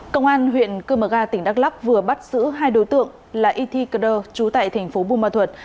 công an huyện cơ mờ ga tỉnh đắk lắk vừa bắt giữ hai đối tượng là y thi cơ đơ chú tại thành phố bù mà thuật